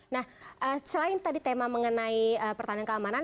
nah selain tadi tema mengenai pertahanan keamanan